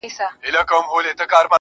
• خلگو شتنۍ د ټول جهان څخه راټولي كړې.